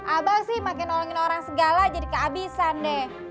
abang sih makin nolongin orang segala jadi keabisan deh